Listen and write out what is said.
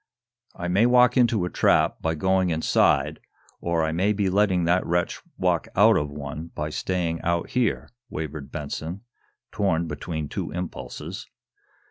"I may walk into a trap, by going inside, or I may be letting that wretch walk out of one by staying out here," wavered Benson, torn between two impulses.